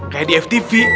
kayak di ftv